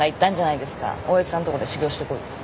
大悦さんとこで修業してこいって。